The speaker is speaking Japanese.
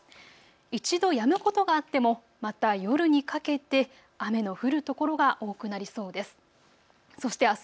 一度やむことがあってもまた夜にかけて雨の降る所が多くなりそうです。